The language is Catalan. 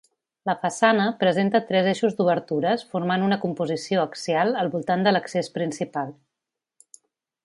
La façana presenta tres eixos d'obertures formant una composició axial al voltant de l'accés principal.